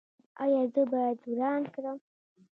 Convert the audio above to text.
ایا زه باید وران کړم؟